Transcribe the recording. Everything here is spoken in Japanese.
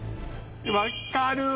分かるわ。